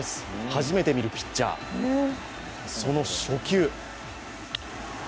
初めて見るピッチャー、その初球。